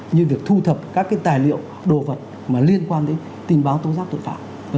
như việc thu thập các tài liệu đồ vật mà liên quan đến tình báo tố giác tội phạm